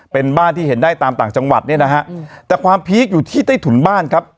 เป็นบ้านที่เห็นได้ตามต่างจังหวัดเนี่ยนะฮะแต่ความพีคอยู่ที่ใต้ถุนบ้านครับ